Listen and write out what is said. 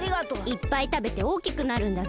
いっぱいたべておおきくなるんだぞ。